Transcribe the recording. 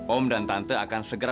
om dan tante akan segera